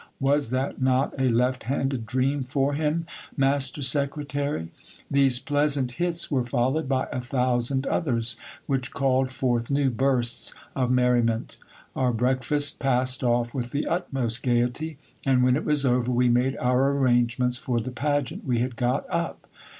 Was not that a left handed dream for him, master se cretary ? These pleasant hits were followed by a thousand others, which called forth new bursts of merriment Our breakfast passed off with the utmost gaiety ; a ad when it was over, we made our arrangements for the pageant we had got up.